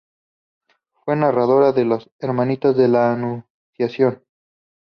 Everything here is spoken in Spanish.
Fue fundadora de las "Hermanitas de la Anunciación".